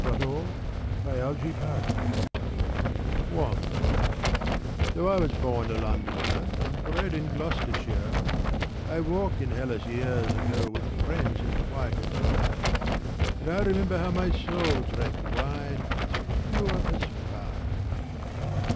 ^1^ Oak and Olive I Though I was born a Londoner, And bred in Gloucestershire, I walked in Hellas years ago With friends in white attire : And I remember how my soul Drank wine as pure as fire.